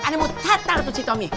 ane mau catar tuh si tomi